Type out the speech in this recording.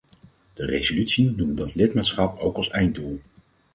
De resolutie noemt dat lidmaatschap ook als einddoel.